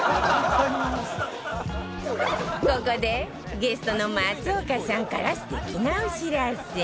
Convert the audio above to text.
ここでゲストの松岡さんから素敵なお知らせ